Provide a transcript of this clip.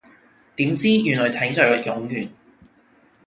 點知原來請著個冗員